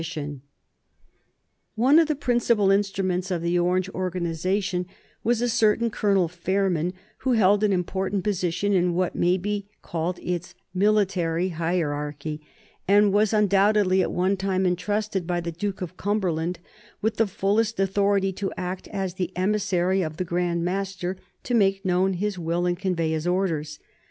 [Sidenote: 1836 Dissolution of the Orange lodges] One of the principal instruments of the Orange organization was a certain Colonel Fairman, who held an important position in what may be called its military hierarchy, and was undoubtedly at one time intrusted by the Duke of Cumberland with the fullest authority to act as the emissary of the Grand Master to make known his will and convey his orders.